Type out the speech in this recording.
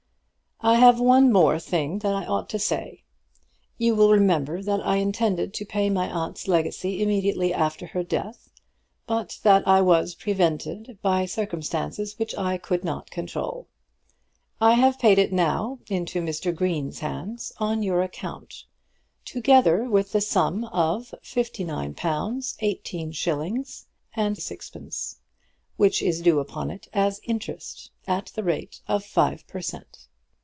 I have one more thing that I ought to say. You will remember that I intended to pay my aunt's legacy immediately after her death, but that I was prevented by circumstances which I could not control. I have paid it now into Mr. Green's hands on your account, together with the sum of £59 18_s._ 3_d._, which is due upon it as interest at the rate of five per cent.